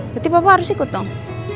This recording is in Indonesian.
berarti bapak harus ikut dong